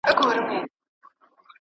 له آمو تر هریروده تر اټکه